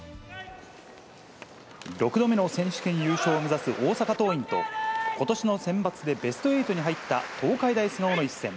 ６度目の選手権優勝を目指す大阪桐蔭と、ことしのセンバツでベスト８に入った東海大菅生の一戦。